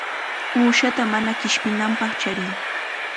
Uushata mana qishpinanpaq chariy.